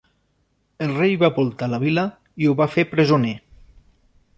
El rei va voltar la vila i ho va fer presoner.